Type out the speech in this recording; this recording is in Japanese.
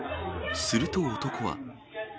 すると男は。